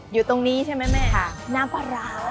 อยู่ตรงนี้ใช่ไหมแม่น้ำปลาร้า